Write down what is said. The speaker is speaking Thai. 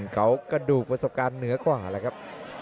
เขากระดูกประสบการณ์เหนือกว่าแล้วครับ